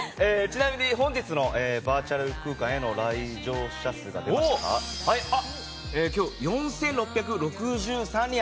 ちなみに、本日のバーチャル空間への来場者数が４６６３人。